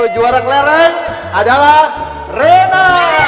juara kelereng adalah rena